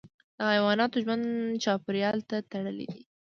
د حیواناتو ژوند چاپیریال ته تړلی دی.